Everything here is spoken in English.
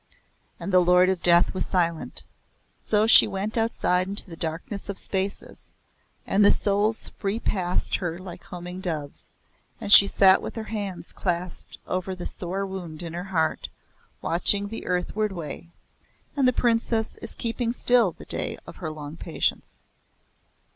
"And the Lord of Death was silent. So she went outside into the darkness of the spaces, and the souls free passed her like homing doves, and she sat with her hands clasped over the sore wound in her heart, watching the earthward way. And the Princess is keeping still the day of her long patience."